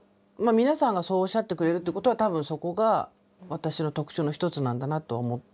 皆さんがそうおっしゃってくれるってことは多分そこが私の特徴の一つなんだなと思ってて。